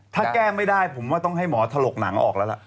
ถ้าแก้ไม่ได้ผมว่าต้องให้หมอถลกหนังออกแล้วล่ะ